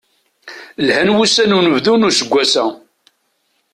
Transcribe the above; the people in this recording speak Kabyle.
Lhan wussan n unebdu n useggas-a.